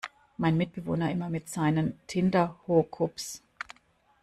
Mein Mitbewohner immer mit seinen Tinder-Hookups!